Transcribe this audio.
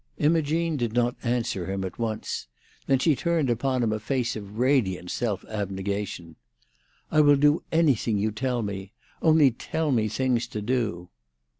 Imogene did not answer him at once. Then she turned upon him a face of radiant self abnegation. "I will do anything you tell me. Only tell me things to do."